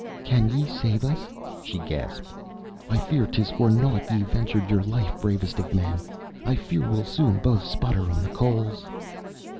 "Can ye save us?" she gasped. "I fear 'tis for naught ye ventured yer life, bravest of men. I fear we'll soon both sputter on the coals."